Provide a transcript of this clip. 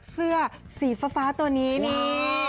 เสื้อสีฟ้าตัวนี้นี่